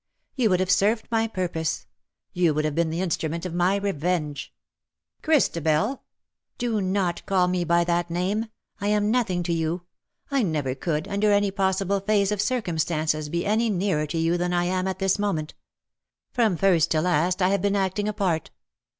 You would have served my purpose — you would have been the instrument of my revenge !"" Christabel !" 280 " Do not call me by that name — I am nothicg to you — I never could_, under any possible phase of circumstances^ be any nearer to you than T am at this moment. From first to last I have been acting a part.